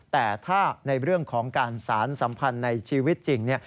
แต่ถ้าในเรื่องของการสารสัมพันธ์ในชีวิตจริง